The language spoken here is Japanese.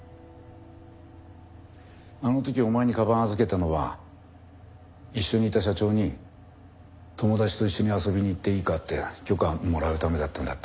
あの時お前にかばんを預けたのは一緒にいた社長に友達と一緒に遊びに行っていいかって許可もらうためだったんだって。